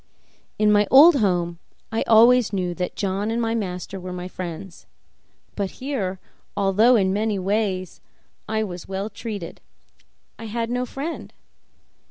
In my old home I always knew that John and my master were my friends; but here, although in many ways I was well treated, I had no friend.